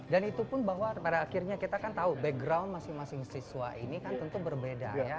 dan itu pun bahwa pada akhirnya kita tahu background masing masing siswa ini kan tentu berbeda ya